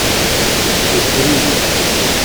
Yuker-iyi.